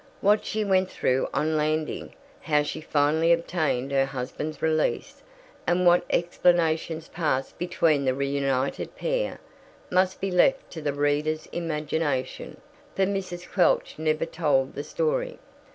What she went through on landing, how she finally obtained her husband's release, and what explanations passed between the reunited pair, must be left to the reader's imagination, for Mrs. Quelch never told the story.